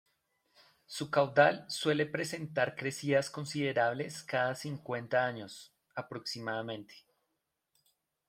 Su caudal suele presentar crecidas considerables cada cincuenta años, aproximadamente.